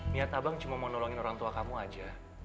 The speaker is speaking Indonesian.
niat abang cuma mau nolongin orang tua kamu aja